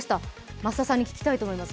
増田さんに聞きたいと思います。